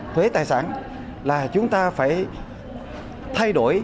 thuế tài sản là chúng ta phải thay đổi